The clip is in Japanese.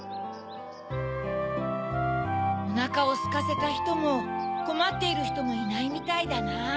おなかをすかせたひともこまっているひともいないみたいだな。